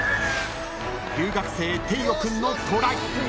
［留学生テイオ君のトライ］